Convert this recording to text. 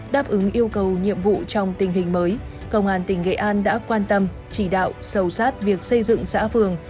đáp ứng yêu cầu nhiệm vụ trong tình hình mới công an tỉnh nghệ an đã quan tâm chỉ đạo sâu sát việc xây dựng xã phường